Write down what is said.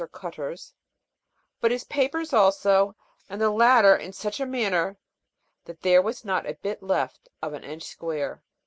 or cutters, but his papers also, and the latter in such a manner, that there was not a. bit left of an inch square.